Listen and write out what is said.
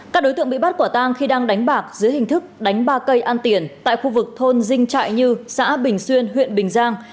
các đối tượng bị bắt quả tang khi đang đánh bạc dưới hình thức đánh ba cây ăn tiền tại khu vực thôn dinh trại như xã bình xuyên huyện bình giang